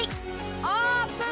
オープン！